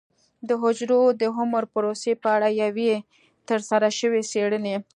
د حجرو د عمر پروسې په اړه یوې ترسره شوې څېړنې